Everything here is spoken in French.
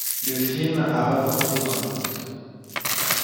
Le film a rapporté dans le monde.